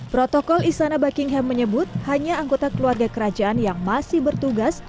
protokol istana buckingham menyebut hanya anggota keluarga kerajaan yang masih bertugas